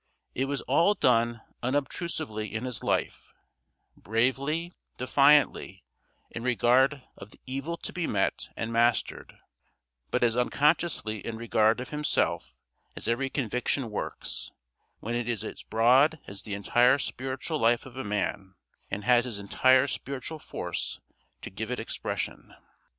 It was all done unobtrusively in his life; bravely, defiantly, in regard of the evil to be met and mastered, but as unconsciously in regard of himself as every conviction works, when it is as broad as the entire spiritual life of a man and has his entire spiritual force to give it expression.